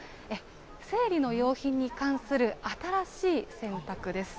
生理の用品に関する新しい選択です。